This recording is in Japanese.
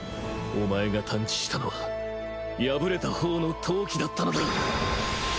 お前が探知したのは敗れたほうの闘気だったのだ！